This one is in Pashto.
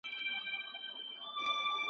دی روا او مناسب